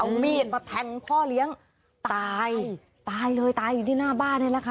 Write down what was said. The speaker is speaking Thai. เอามีดมาแทงพ่อเลี้ยงตายตายเลยตายอยู่ที่หน้าบ้านนี่แหละค่ะ